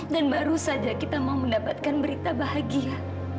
dan baru saja kita mau mendapatkan berita bahagia